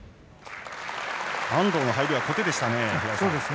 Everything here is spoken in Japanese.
安藤の入りは小手でしたね。